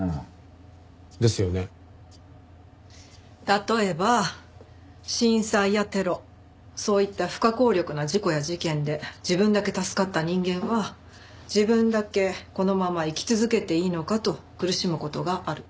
例えば震災やテロそういった不可抗力な事故や事件で自分だけ助かった人間は自分だけこのまま生き続けていいのかと苦しむ事がある。